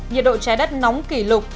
nhiệt độ trái đất nóng kỷ lục